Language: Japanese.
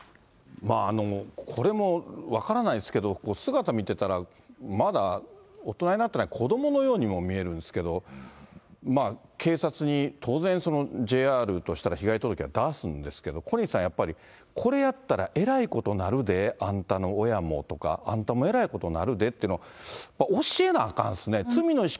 まあ、これも分からないですけど、姿見てたら、まだ大人になってない子どものようにも見えるんですけど、警察に当然、ＪＲとしたら被害届は出すんですけど、小西さん、やっぱり、これやったらえらいことなるで、あんたの親もとか、あんたもえらいことになるでっていうのを教えなあかんですね、